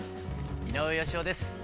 井上芳雄です。